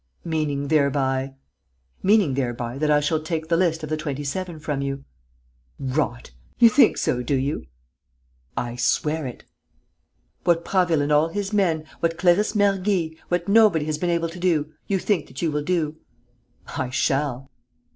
"Meaning thereby...." "Meaning thereby that I shall take the list of the Twenty seven from you." "Rot! You think so, do you?" "I swear it." "What Prasville and all his men, what Clarisse Mergy, what nobody has been able to do, you think that you will do!" "I shall!"